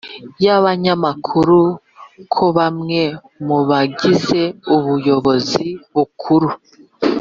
y'abanyamakuru ko bamwe mu bagize ubuyobozi bukuru